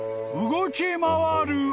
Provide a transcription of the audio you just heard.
［動き回る泡！？］